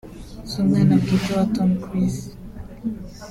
si umwana bwite wa Tom Cruise